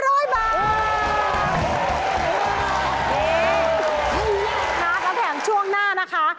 แล้วแถมช่วงหน้านะคะ